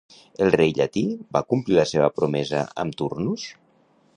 El rei Llatí va complir la seva promesa amb Turnus?